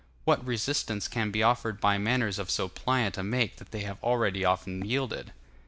What resistance can be offered by manners of so pliant a make that they have already often yielded?